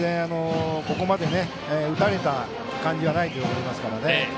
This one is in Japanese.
ここまで打たれた感じはないと思いますから。